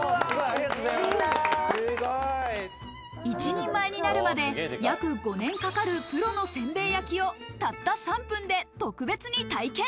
一人前になるまで約５年かかるプロの煎餅焼きをたった３分で特別に体験。